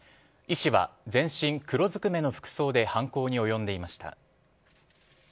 医師は全身黒ずくめの服装で犯行に及んでいました。